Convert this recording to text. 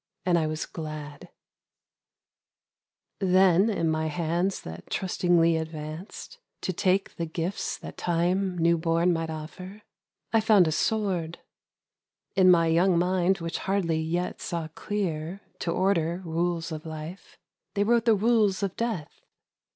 And I was glad. 81 The Great . idventure Then in mv hands that trustingly advanced To take the gifts that Time new born might offer, I found a sword. In my young mind which hardly yet saw clear To order rules of life, They wrote the rules of death.